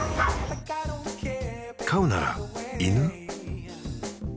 飼うなら犬？